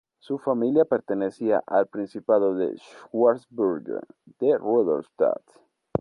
Su familia pertenecía al principado de Schwarzburgo-Rudolstadt.